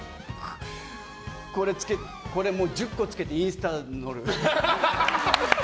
これ、１０個つけてインスタに載る。